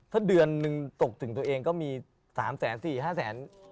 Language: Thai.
ถ้าเดือนหนึ่งตกถึงตัวเองก็มีสามแสนสี่ห้าแสน